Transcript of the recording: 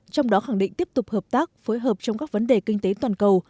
trong đó khẳng định tiếp tục hợp tác phối hợp trong các vấn đề kinh tế toàn cầu